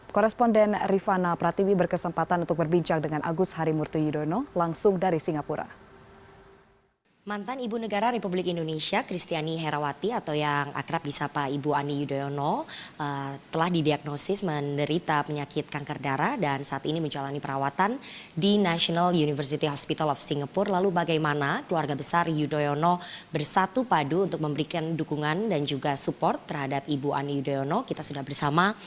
korresponden rifana pratibi berkesempatan untuk berbincang dengan agus harimurti yudhoyono langsung dari singapura